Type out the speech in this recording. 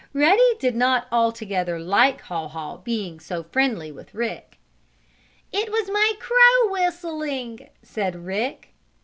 Ruddy did not altogether like Haw Haw being so friendly with Rick. "It was my crow whistling!" said Rick.